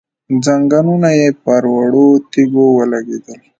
ځنګنونه يې پر وړو تيږو ولګېدل،